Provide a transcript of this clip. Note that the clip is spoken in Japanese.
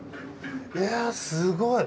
いやすごい！